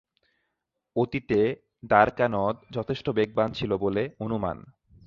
অতীতে দ্বারকা নদ যথেষ্ট বেগবান ছিল বলে অনুমান।